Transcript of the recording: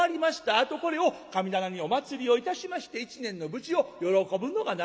あとこれを神棚にお祭りをいたしまして１年の無事を喜ぶのが習わしでございます。